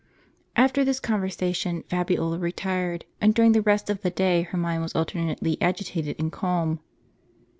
FTER this conversation Fabiola retired ; and during the rest of the day her mind was alternately agitated and calm.